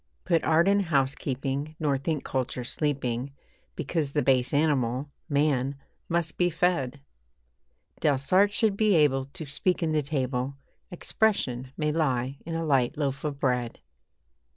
Put art in housekeeping, nor think culture sleeping Because the base animal, man, must be fed. Delsarte should be able to speak in the table 'Expression' may lie in a light loaf of bread.